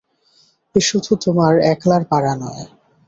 এ শুধু তোমার একলার পারা নয়।